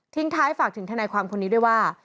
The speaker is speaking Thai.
ทิ้งท้ายฝากถึงธนาความความปนนี้ด้วยว่า